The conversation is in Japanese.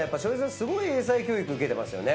すごい英才教育受けてますよね。